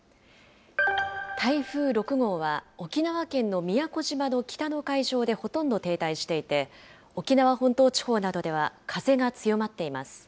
台風６号は、沖縄県の宮古島の北の海上でほとんど停滞していて、沖縄本島地方などでは風が強まっています。